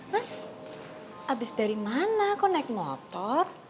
mas abis dari mana kok naik motor